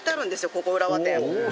ここ浦和店。